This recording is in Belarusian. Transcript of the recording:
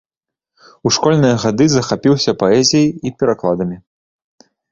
У школьныя гады захапіўся паэзіяй і перакладамі.